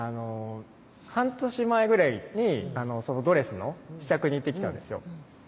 半年前ぐらいにドレスの試着に行ってきたんですよ